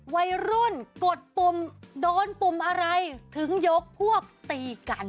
วัยรุ่นกดปุ่มโดนปุ่มอะไรถึงยกพวกตีกัน